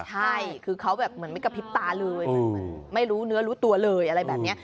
ใช่คือเขาแบบไม่กระพริบตาเลยไม่รู้เนื้อรู้ตัวเลยอะไรแบบนี้